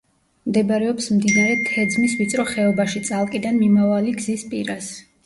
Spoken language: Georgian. მდებარეობს მდინარე თეძმის ვიწრო ხეობაში, წალკიდან მიმავალი გზის პირას.